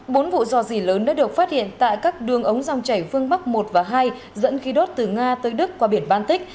bốn vụ dò dỉ lớn đã được phát hiện tại các đường ống dòng chảy phương bắc một và hai dẫn khí đốt từ nga tới đức qua biển baltic